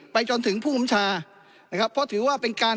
จนถึงผู้กำชานะครับเพราะถือว่าเป็นการ